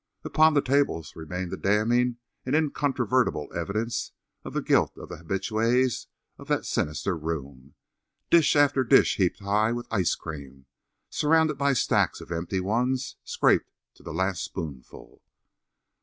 Upon the tables remained the damning and incontrovertible evidences of the guilt of the habituées of that sinister room—dish after dish heaped high with ice cream, and surrounded by stacks of empty ones, scraped to the last spoonful.